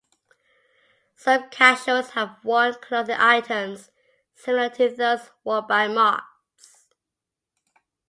Some casuals have worn clothing items similar to those worn by mods.